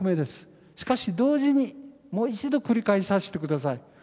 しかし同時にもう一度繰り返させて下さい。